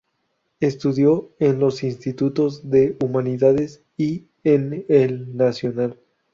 Estudió en los institutos de Humanidades y en el Nacional.